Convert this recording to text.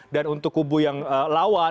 dan untuk kubu yang lawan